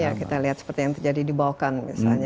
ya kita lihat seperti yang terjadi di baukan misalnya